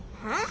あ？